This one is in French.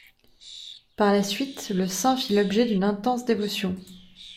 Par la suite, le saint fit l'objet d'une intense dévotion.